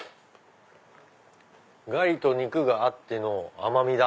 ガリと肉があっての甘みだ。